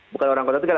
bukan orang kota tegal